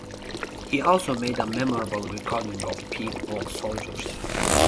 He also made a memorable recording of Peat Bog Soldiers.